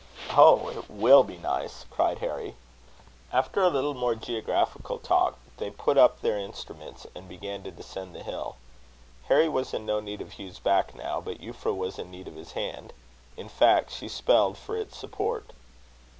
"Oh! it will be nice!" cried Harry. After a little more geographical talk, they put up their instruments, and began to descend the hill. Harry was in no need of Hugh's back now, but Euphra was in need of his hand. In fact, she appealed for its support.